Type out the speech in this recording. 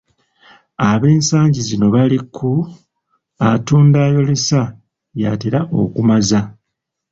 Ab'ensangi zino bali ku, "Atunda ayolesa yatera okumaza".